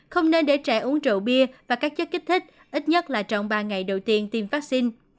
không nên để trẻ uống rượu bia và các chất kích thích ít nhất là trong ba ngày đầu tiên tiêm vaccine